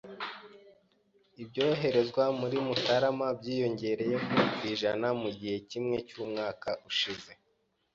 Ibyoherezwa muri Mutarama byariyongereyeho % mugihe kimwe cyumwaka ushize.